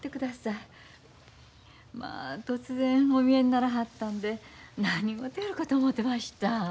まあ突然お見えにならはったんで何事やろかと思ってました。